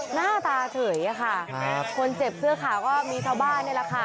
หน้าตาเฉยอะค่ะคนเจ็บเสื้อขาวก็มีชาวบ้านนี่แหละค่ะ